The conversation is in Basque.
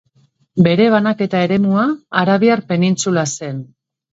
Bere banaketa eremua Arabiar penintsula zen.